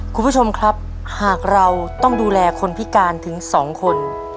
คุณผู้ชมครับหากเราต้องดูแลคนพิการถึง๒คน